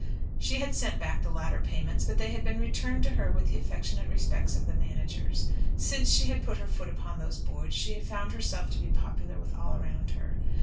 She had sent back the latter payments, but they had been returned to her with the affectionate respects of the managers. Since she had put her foot upon these boards she had found herself to be popular with all around her.